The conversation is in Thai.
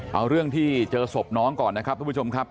เอาเรื่องที่เจอศพน้องก่อนนะครับทุกผู้ชมครับ